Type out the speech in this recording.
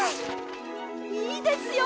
いいですよ！